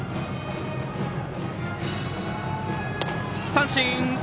三振！